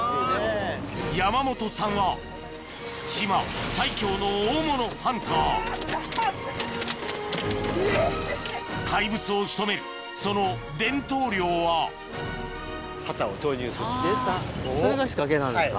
山元さんは島最強の大物ハンター怪物を仕留めるその伝統漁はそれが仕掛けなんですか。